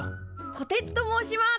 こてつと申します。